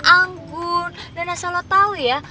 anggun dan asal lo tau ya